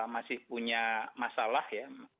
masih punya masalah ya